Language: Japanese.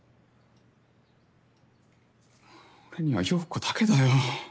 俺には陽子だけだよ。